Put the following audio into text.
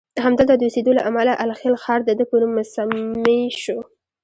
همدلته د اوسیدو له امله الخلیل ښار دده په نوم مسمی شو.